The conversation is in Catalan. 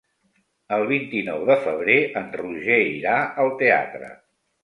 El vint-i-nou de febrer en Roger irà al teatre.